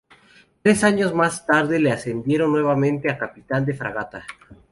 Tres años más tarde le ascendieron nuevamente a capitán de fragata.